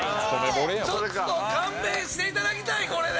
ちょっと勘弁していただきたいこれで。